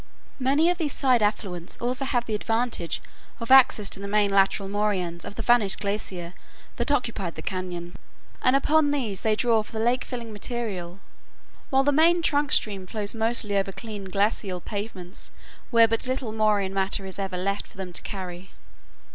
Many of these side affluents also have the advantage of access to the main lateral moraines of the vanished glacier that occupied the cañon, and upon these they draw for lake filling material, while the main trunk stream flows mostly over clean glacier pavements, where but little moraine matter is ever left for them to carry.